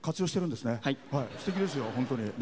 すてきですよ、本当に。